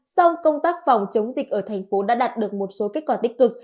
song công tác phòng chống dịch ở thành phố đã đạt được một số kết quả tích cực